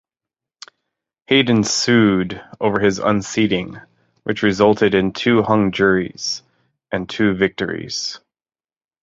Hayden sued over his unseating, which resulted in two hung juries and two victories.